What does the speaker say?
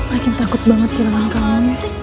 makin takut banget kira kira kamu